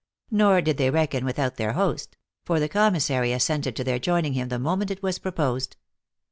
Nor did they reckon without their host; for the commis sary assented to their joining him the moment it was proposed.